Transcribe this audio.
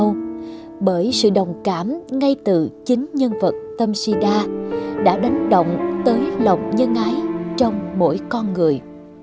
nhưng không nhau bởi sự đồng cảm ngay từ chính nhân vật tâm sida đã đánh động tới lòng nhân ái trong mỗi con người